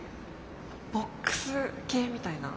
ボックス系みたいな。